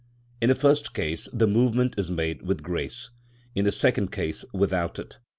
In the first case the movement is made with grace, in the second case without it.